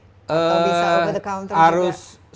atau bisa obat counter